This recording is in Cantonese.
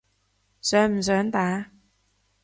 想唔想打？